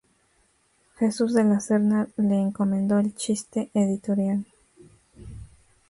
Jesús de la Serna le encomendó el chiste editorial.